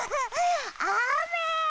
あめ！